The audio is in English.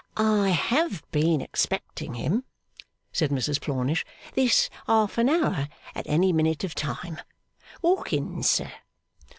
'I have been expecting him,' said Mrs Plornish, 'this half an hour, at any minute of time. Walk in, sir.